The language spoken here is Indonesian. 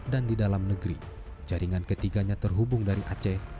dan di dalam negeri jaringan ketiganya terhubung dari aceh